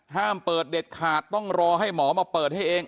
ห้ามเปิดเด็ดขาดต้องรอให้หมอมาเปิดให้เอง